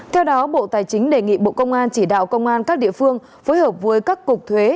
theo đó bộ tài chính đề nghị bộ công an chỉ đạo công an các địa phương phối hợp với các cục thuế